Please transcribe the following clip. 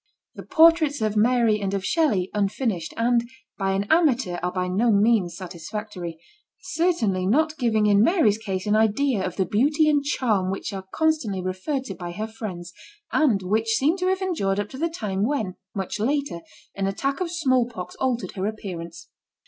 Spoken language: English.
The portraits of Mary and of Shelley, unfinished, and by an amateur, are by no means satisfactory ; certainly not giving in Mary's case an idea of the beauty and charm which are constantly referred to by her friends, and which seem to have endured up to the time when, much later, an attack of small pox altered her appearance.